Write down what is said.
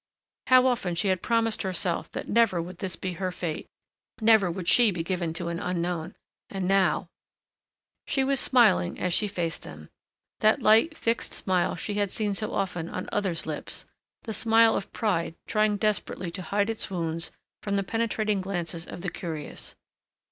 How often she had promised herself that never would this be her fate, never would she be given to an unknown! And now She was smiling as she faced them, that light, fixed smile she had seen so often on others' lips, the smile of pride trying desperately to hide its wounds from the penetrating glances of the curious.